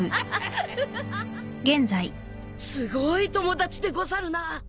すごい友達でござるな。